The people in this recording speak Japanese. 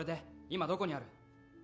今どこにある？